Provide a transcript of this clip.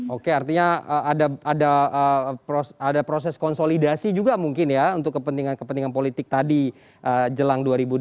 oke artinya ada proses konsolidasi juga mungkin ya untuk kepentingan kepentingan politik tadi jelang dua ribu dua puluh